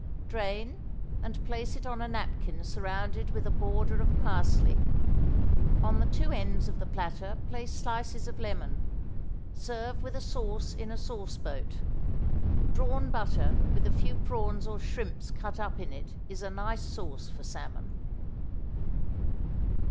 Drain, and place it on a napkin surrounded with a border of parsley. On the two ends of the platter place slices of lemon. Serve with a sauce in a sauce boat. Drawn butter with a few prawns or shrimps cut up in it is a nice sauce for salmon.